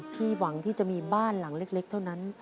พี่หวังที่จะมีบ้านหลังเล็กเท่านั้น